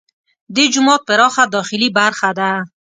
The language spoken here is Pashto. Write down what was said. دې جومات پراخه داخلي برخه ده.